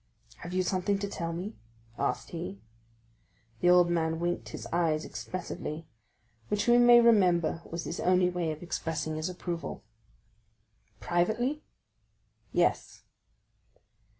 "Have you something to tell me?" asked he. The old man winked his eyes expressively, which we may remember was his only way of expressing his approval. "Privately?" "Yes."